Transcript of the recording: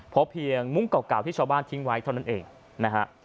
พบเพียงมุ้งเก่าที่ชาวบ้านทิ้งไว้เท่านั้นเองนะฮะ